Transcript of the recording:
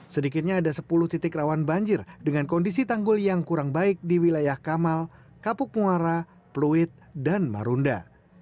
sedikitnya ada sepuluh titik rawan banjir dengan kondisi tanggul yang kurang baik di wilayah kamal kapuk muara pluit dan marunda